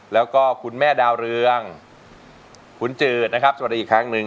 แล้วก็คุณแม่ดาวเรืองคุณจืดนะครับสวัสดีอีกครั้งหนึ่ง